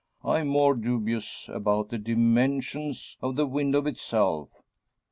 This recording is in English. I'm more dubious about the dimensions of the window itself.